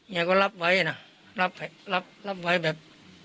เมียก็รับไว้น่ะรับรับรับไว้แบบ